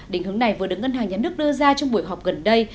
định hướng này vừa được ngân hàng nhà nước đưa ra trong buổi họp gần đây